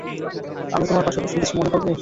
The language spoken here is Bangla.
আমি তোমার পাশে বসলে কিছু মনে করবে?